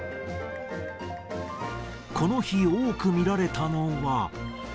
この日、多く見られたのは。